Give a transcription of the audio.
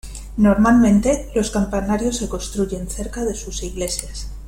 Normalmente, los campanarios se construyen cerca de sus iglesias.